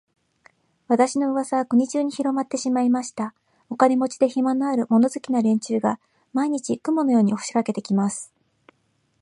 私の噂は国中にひろまってしまいました。お金持で、暇のある、物好きな連中が、毎日、雲のように押しかけて来ます。